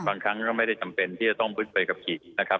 บางครั้งก็ไม่ได้จำเป็นที่จะต้องพึดใบขับขี่นะครับ